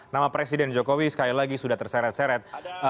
nama presiden jokowi sekali lagi sudah terseret seret